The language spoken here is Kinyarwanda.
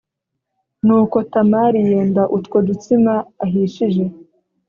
Nuko Tamari yenda utwo dutsima ahishije